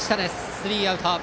スリーアウト。